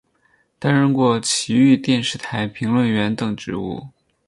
担任过崎玉电视台评论员等职务。